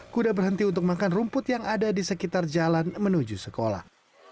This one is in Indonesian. kuda berhenti untuk makan rumput yang ada di sekitar jalan menuju sekolah